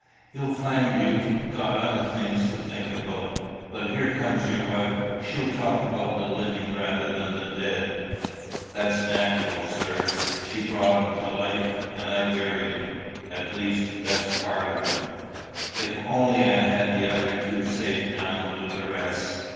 You'll find you've got other things to think about. But here comes your wife. She'll talk about the living rather than the dead." "That's natural, sir. She brought 'em to life, and I buried 'em at least, best part of 'em. If only I had the other two safe down with the rest!"